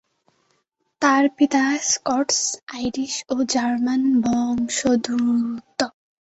তার পিতা স্কটস-আইরিশ ও জার্মান বংশোদ্ভূত।